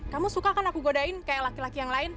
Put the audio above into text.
kamu suka kan aku godain kayak laki laki yang lain